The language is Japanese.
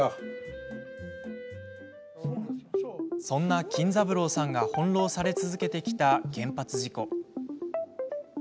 そんな金三郎さんが翻弄され続けてきた原発事故。